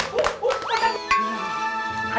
bocan gua bakal